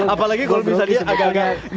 apalagi kalau misalnya agak agak